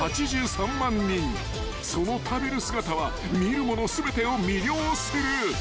［その食べる姿は見る者全てを魅了する］